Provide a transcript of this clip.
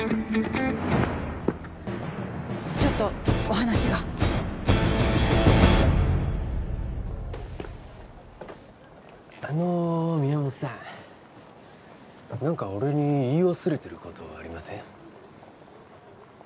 ちょっとお話があの宮本さん何か俺に言い忘れてることありません？